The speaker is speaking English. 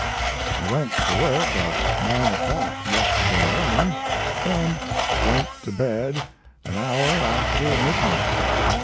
I went to work at nine o'clock yesterday morning and went to bed an hour after midnight.